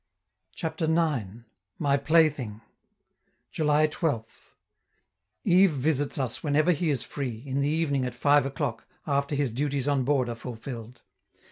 CHAPTER IX. MY PLAYTHING July 12th Yves visits us whenever he is free, in the evening at five o'clock, after his duties on board are fulfilled.